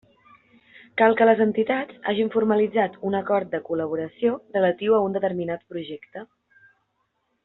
Cal que les entitats hagin formalitzat un acord de col·laboració relatiu a un determinat projecte.